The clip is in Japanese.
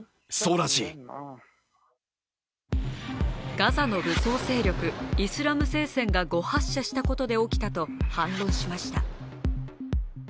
ガザの武装勢力、イスラム聖戦が誤発射したことで起きたと反論しました。